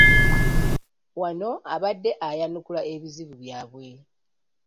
Wano abadde ayanukula ebizibu byabwe.